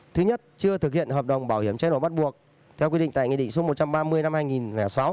thứ nhất chưa thực hiện hợp đồng bảo hiểm chế độ bắt buộc theo quy định tại nghị định số một trăm ba mươi năm hai nghìn sáu